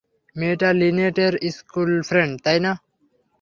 মেয়েটা লিনেটের স্কুলফ্রেন্ড, তাই না?